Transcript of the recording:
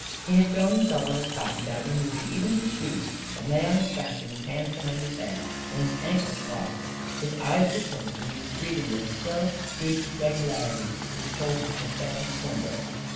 He had thrown himself on his cot without remov ing even his shoes, and lay on his back with his hands behind his head and his ankles crossed. His eyes were closed and he was breathing with a slow, deep regularity which told of profound slumber.